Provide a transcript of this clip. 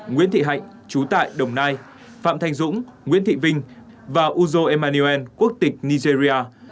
nguyễn thị hạnh chú tại đồng nai phạm thanh dũng nguyễn thị vinh và uzo emmaniuel quốc tịch nigeria